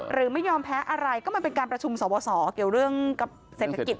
หรือไม่ยอมแพ้อะไรก็มันเป็นการประชุมสวสอเกี่ยวเรื่องกับเศรษฐกิจ